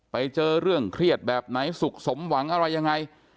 ไปเจอเรื่องเครียดแบบไหนสุขสมหวังอะไรยังไง